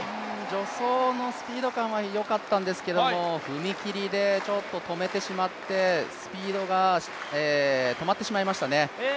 助走のスピード感はよかったんですが踏み切りで止めてしまってスピードが止まってしまいましたね。